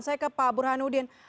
saya ke pak burhanudin